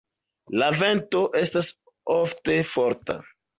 La vento estas ofte forta.